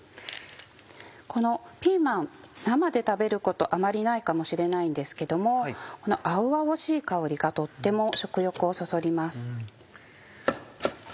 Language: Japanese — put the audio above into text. このピーマン生で食べることあまりないかもしれないんですけどもこの青々しい香りがとっても食欲をそそります。